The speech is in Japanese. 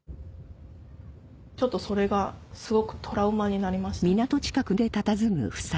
ちょっとそれがすごくトラウマになりましたね。